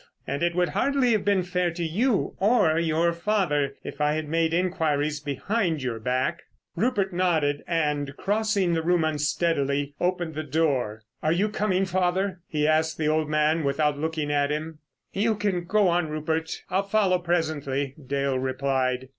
And it would hardly have been fair to you or your father if I had made enquiries behind your back." Rupert nodded, and crossing the room unsteadily opened the door. "Are you coming, father?" he asked the old man, without looking at him. "You can go on, Rupert, I'll follow presently," Dale replied.